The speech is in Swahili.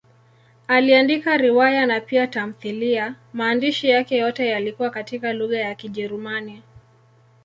Aliandika riwaya na pia tamthiliya; maandishi yake yote yalikuwa katika lugha ya Kijerumani.